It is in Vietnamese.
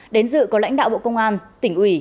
đến dự có lãnh đạo bộ công an tỉnh ủy